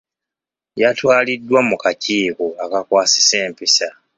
Yatwaliddwa mu kakiiko akakwasisa empisa.